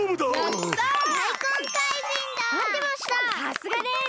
さすがです！